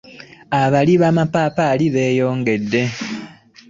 Abalyi bamapaapaali beyongedde.